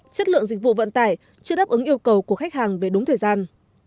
chất lượng dịch vụ vận tải chưa đáp ứng yêu cầu của khách hàng về đúng thời gian